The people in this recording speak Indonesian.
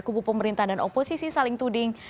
kubu pemerintah dan oposisi saling tuding